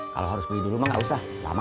kalau harus beli dulu mah nggak usah lama